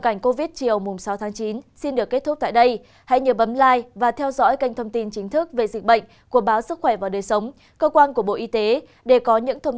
cảm ơn các bạn đã theo dõi và ủng hộ cho great việt nam